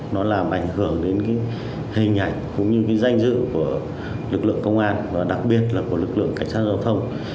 nó làm ảnh hưởng đến cái hình ảnh cũng như cái danh dự của lực lượng công an và đặc biệt là của lực lượng cảnh sát giao thông